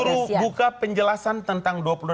suruh buka penjelasan tentang dua puluh delapan